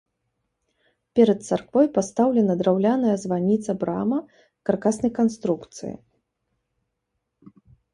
Перад царквой пастаўлена драўляная званіца-брама каркаснай канструкцыі.